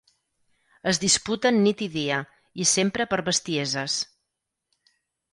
Es disputen nit i dia, i sempre per bestieses.